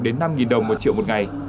đến năm đồng một triệu một ngày